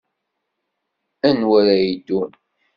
Anwa ara yeddun?